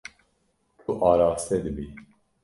Tu araste dibî.